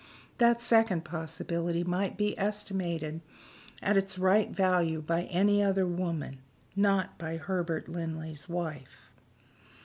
that second possibility might be estimated at its right value by any other woman; not by Herbert Linley's wife.